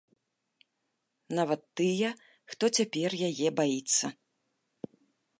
Нават тыя, хто цяпер яе баіцца.